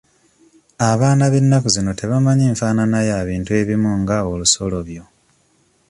Abaana b'ennaku zino tebamanyi nfaanana ya bintu ebimu nga olusolobyo.